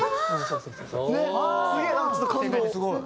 すごい。